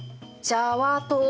ジャワ島。